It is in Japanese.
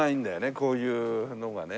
こういうのがね。